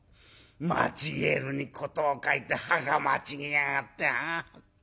間違えるに事を欠いて墓間違えやがって。